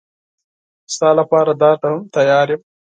ستا لپاره دار ته هم تیار یم.